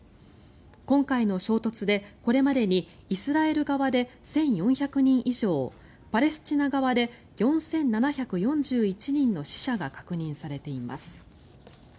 今回の衝突で、これまでにイスラエル側で１４００人以上パレスチナ側で４７４１人の死者が確認されています。